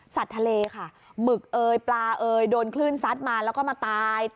สัตว์ทะเลค่ะหมึกเอ๊ยปลาเอ๊ยโดนขึ้นซัดมาแล้วก็มาตาย